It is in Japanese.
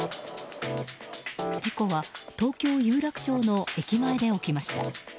事故は、東京・有楽町の駅前で起きました。